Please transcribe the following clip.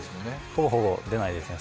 ほぼほぼ出ないですね。